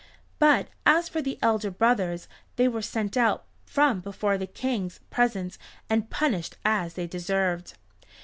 But as for the elder brothers they were sent out from before the King's presence and punished as they deserved.